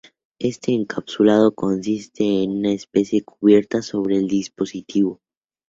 Este encapsulado consiste en una especie cubierta sobre el dispositivo.